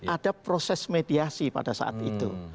ada proses mediasi pada saat itu